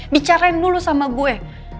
bicarain dulu sama gue